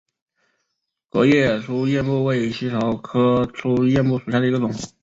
革叶粗叶木为茜草科粗叶木属下的一个种。